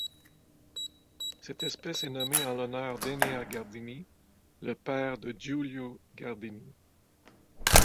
Cette espèce est nommée en l'honneur d'Enea Gardini le père de Giulio Gardini.